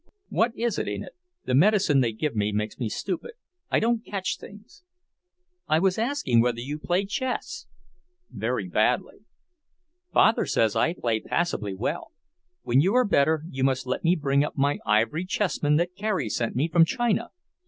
"What is it, Enid? The medicine they give me makes me stupid. I don't catch things." "I was asking whether you play chess." "Very badly." "Father says I play passably well. When you are better you must let me bring up my ivory chessmen that Carrie sent me from China.